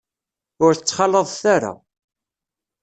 Ur t-ttxalaḍet ara.